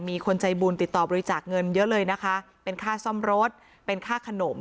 มีคนใจบุญติดต่อบริจาคเงินเยอะเลยนะคะเป็นค่าซ่อมรถเป็นค่าขนม